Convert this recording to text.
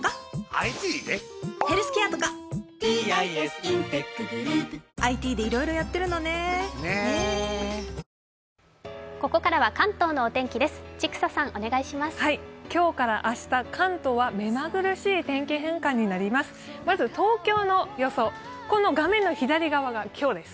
今日から明日、関東はめまぐるしい天気変化になります。